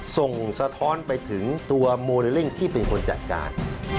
สะท้อนไปถึงตัวโมเดลลิ่งที่เป็นคนจัดการ